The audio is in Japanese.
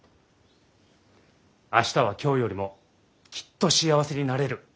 明日は今日よりもきっと幸せになれる。